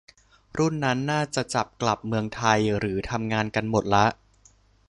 รุ่นนั้นน่าจะจบกลับเมืองไทยหรือทำงานกันหมดละ